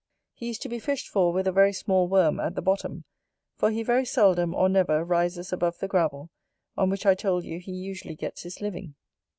He is to be fished for with a very small worm, at the bottom; for he very seldom, or never, rises above the gravel, on which I told you he usually gets his living.